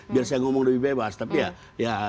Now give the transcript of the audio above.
biar saya ngomong lebih bebas tapi ya